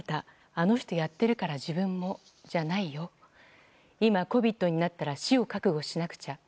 あの人やってるから自分もじゃないよ。今、ＣＯＶＩＤになったら死を覚悟しなくちゃ。